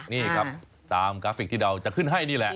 นี่ครับตามกราฟิกที่เราจะขึ้นให้นี่แหละ